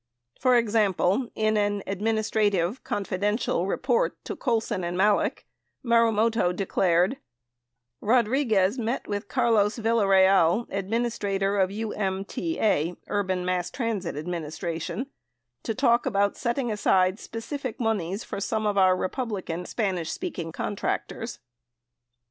For example, in an "Administrative — Confidential" report to Colson and Malek, Maru moto declared : Rodriguez met with Carlos Villarreal, Administrator of UMTA [Urban Mass Transit Administration] , to talk about setting aside specific moneys for some of our Republican SS contractors.